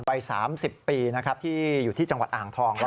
วัย๓๐ปีที่อยู่ที่จังหวัดอ่างทอง